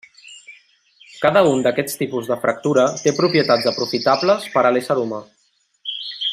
Cada un d'aquests tipus de fractura té propietats aprofitables per a l'ésser humà.